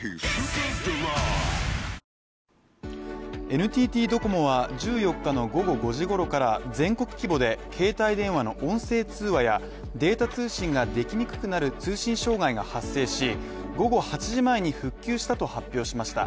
ＮＴＴドコモは１４日の午後５時ごろから全国規模で携帯電話の音声通話やデータ通信ができにくくなる通信障害が発生し午後８時前に復旧したと発表しました。